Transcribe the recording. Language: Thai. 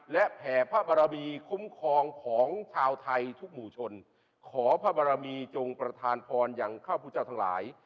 และแผ่พระบรมีคุ้มครองของชาวไทยทุกหมู่ชนขอพระบรมีจงประธานพรอย่างข้าพุทธเจ้าทั้งหลาย